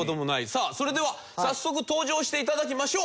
さあそれでは早速登場して頂きましょう。